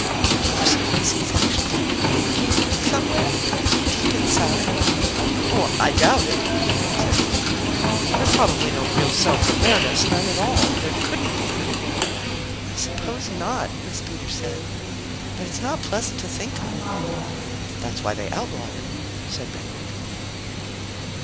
"Do you suppose he's actually thinking, somewhere, deep inside?" "Oh, I doubt it," Benwick said hastily. "There's probably no real self awareness, none at all. There couldn't be." "I suppose not," Miss Peters said, "but it's not pleasant to think of." "That's why they outlawed it," said Benwick.